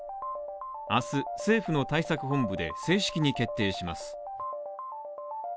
明日、政府の対策本部で正式に決定します。